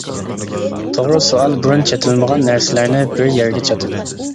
توغرا سوئال بۇرۇن چېتىلمىغان نەرسىلەرنى بىر يەرگە چاتىدۇ.